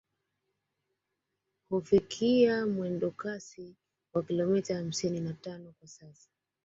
Hufikia mwendokasi wa kilometa hamsini na tano kwa saa